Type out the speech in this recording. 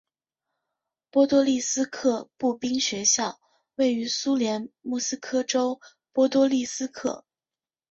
波多利斯克步兵学校位于苏联莫斯科州波多利斯克。